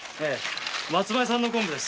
松前産の昆布です。